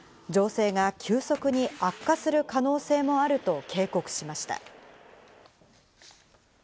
状勢が急速に悪化する可能性もあると警告しました。